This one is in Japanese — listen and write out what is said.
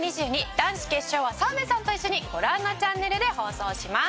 男子決勝は澤部さんと一緒にご覧のチャンネルで放送します。